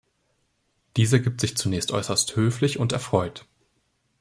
Dieser gibt sich zunächst äußerst höflich und erfreut.